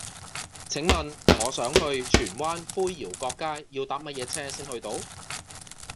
請問我想去荃灣灰窰角街要搭乜嘢車先去到